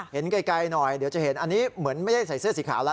เห็นไกลหน่อยเดี๋ยวจะเห็นอันนี้เหมือนไม่ได้ใส่เสื้อสีขาวแล้ว